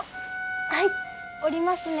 はい、下りますね。